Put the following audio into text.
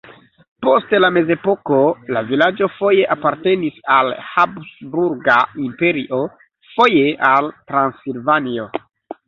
Post la mezepoko la vilaĝo foje apartenis al Habsburga Imperio, foje al Transilvanio.